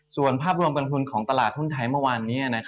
ส่วนภาพรวมการทุนของตลาดหุ้นไทยเมื่อวานนี้